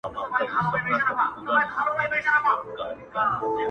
دبۍ انترنیشنال هوایي میدان د ګران افغانستا په لور,